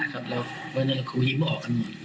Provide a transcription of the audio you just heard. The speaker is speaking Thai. วันนั้นเราคงหิมออกกันหมด